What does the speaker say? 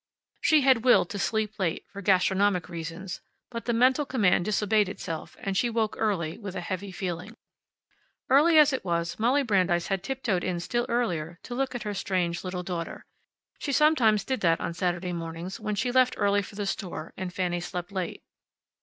She had willed to sleep late, for gastronomic reasons, but the mental command disobeyed itself, and she woke early, with a heavy feeling. Early as it was, Molly Brandeis had tiptoed in still earlier to look at her strange little daughter. She sometimes did that on Saturday mornings when she left early for the store and Fanny slept late.